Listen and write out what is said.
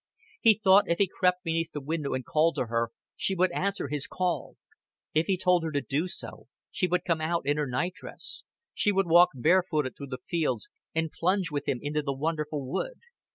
He thought if he crept beneath the window and called to her, she would answer his call. If he told her to do so, she would come out in her night dress she would walk bare footed through the fields, and plunge with him into the wonderful wood.